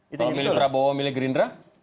kalau milih prabowo milih gerindra